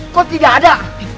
kau tidak ada